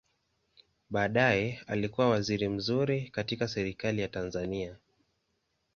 Baadaye alikua waziri mzuri katika Serikali ya Tanzania.